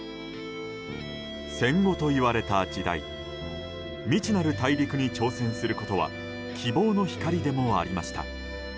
戦後といわれた時代未知なる大陸に挑戦することは希望の光でもありました。